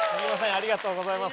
ありがとうございます